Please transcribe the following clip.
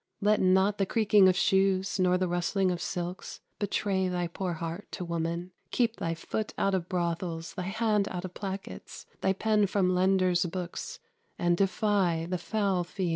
Let not the creaking of shoes, nor the rustling of silks, betray thy poor heart to woman; keep thy foot out of brothels, thy hand out of plackets, thy pen from lenders' books, and defy the foul fiend."